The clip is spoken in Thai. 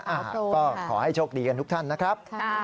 ก็ขอให้โชคดีกันทุกท่านนะครับ